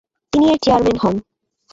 তিনি এর চেয়ারম্যান হন।